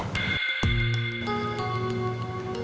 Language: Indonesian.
kita belum pulang